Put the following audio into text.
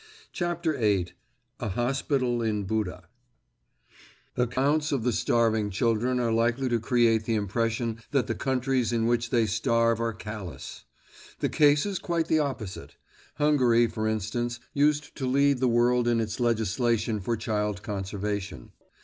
CHAPTER VIII—A HOSPITAL IN BUDA Accounts of the starving children are likely to create the impression that the countries in which they starve are callous. The case is quite the opposite. Hungary, for instance, used to lead the world in its legislation for child conservation.